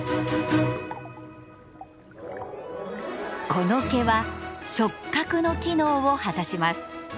この毛は触覚の機能を果たします。